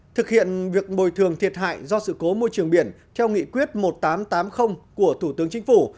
thực hiện việc bồi thường thiệt hại do sự cố môi trường biển theo nghị quyết một nghìn tám trăm tám mươi của thủ tướng chính phủ